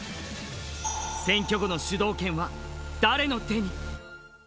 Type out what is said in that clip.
選挙後の主導権は誰の手に？